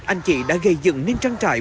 anh chị đã gây dựng nên trang trại